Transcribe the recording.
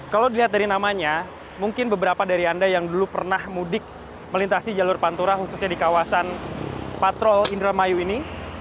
kalau dilihat dari namanya mungkin beberapa dari anda yang dulu pernah mudik melintasi jalur pantura khususnya di kawasan patrol indramayu ini